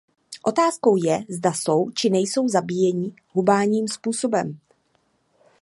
Otázkou je, zda jsou, či nejsou zabíjeni humánním způsobem.